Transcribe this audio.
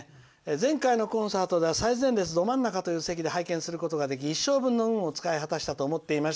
「前回のコンサートでは最前列ど真ん中という席で拝見することができ一生分の運を使い果たしたと思っております。